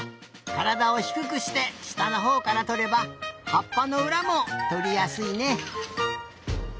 からだをひくくしてしたのほうからとればはっぱのうらもとりやすいね。